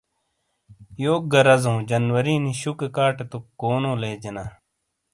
یوک گہ رَزَؤں، جنوری نی شُوکے کاٹے توک کونو لےجینا۔